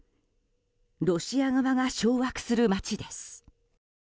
ロシア側が掌握する街です。